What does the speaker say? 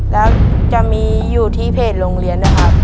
แล้วจะมีอยู่ที่เพจโรงเรียนนะครับ